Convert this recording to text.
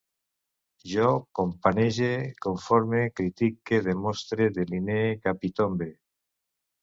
Jo companege, conforme, critique, demostre, delinee, capitombe